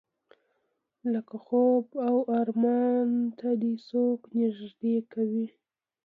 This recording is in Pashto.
لکه خوب او ارمان ته دې چې څوک نږدې کوي.